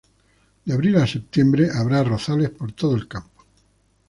De abril a septiembre, habrá arrozales por todo el campo.